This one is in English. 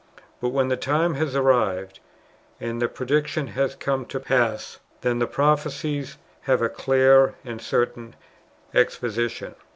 But when the time has arrived, and the prediction has come to pass, then the prophecies have a clear and certain exposition.